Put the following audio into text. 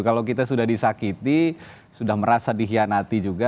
kalau kita sudah disakiti sudah merasa dihianati juga